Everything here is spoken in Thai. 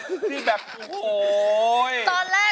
ที่แบบโอ๊ย